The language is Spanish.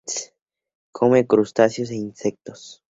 Come crustáceos e insectos.